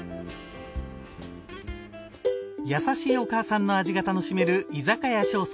優しいお母さんの味が楽しめる居酒屋庄助。